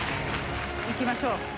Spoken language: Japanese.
いきましょう。